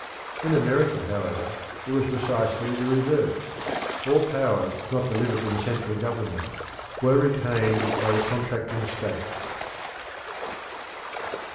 In America, however; it was precisely the reverse; all powers not delivered to the central government were retained by the contracting states.